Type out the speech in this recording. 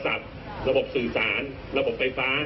โทรศัพท์ระบบสื่อสารระบบไฟฟ้า